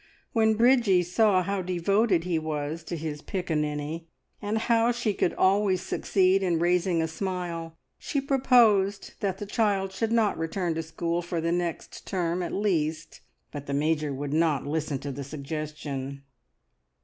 When Bridgie saw how devoted he was to his piccaninny, and how she could always succeed in raising a smile, she proposed that the child should not return to school for the next term at least; but the Major would not listen to the suggestion.